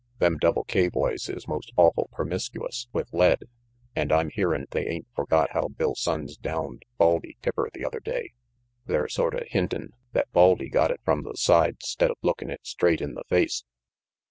Them Double K boys is most awful permiskuous with lead, and I'm hearin' they ain't forgot how Bill Sonnes downed 52 RANGY PETE Baldy Tipper the other day. They're sorta hintin' that Baldy got it from the side, 'stead of lookin' it straight in the face."